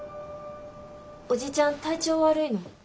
おじちゃん体調悪いの？